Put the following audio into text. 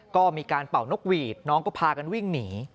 ก็มีการเป่านกหวีดน้องก็พากันวิ่งหนี